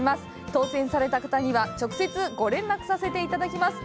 当せんされた方には直接ご連絡させていただきます。